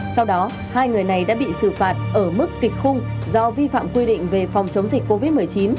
sau đó hai người này đã bị xử phạt ở mức kịch khung do vi phạm quy định về phòng chống dịch covid một mươi chín